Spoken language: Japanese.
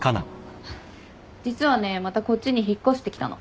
実はねまたこっちに引っ越してきたの。